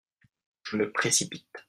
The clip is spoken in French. Je me précipite.